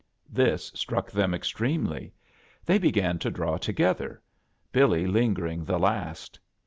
This struck them extremely. They be gan to draw together, BiHy lingering the last.